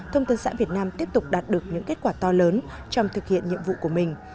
thông tấn xã việt nam tiếp tục đạt được những kết quả to lớn trong thực hiện nhiệm vụ của mình